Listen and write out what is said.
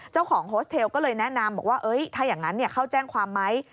เจ้าของโฮสเทลก็เลยแนะนำถ้าอย่างนั้นเข้าแจ้งความไหม